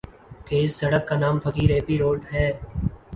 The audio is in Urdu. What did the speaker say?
کہ اِس سڑک کا نام فقیر ایپی روڈ ہے